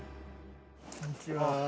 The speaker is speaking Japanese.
こんにちは。